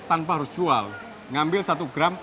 tanpa harus jual ngambil satu gram